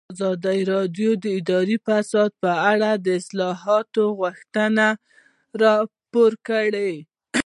ازادي راډیو د اداري فساد په اړه د اصلاحاتو غوښتنې راپور کړې.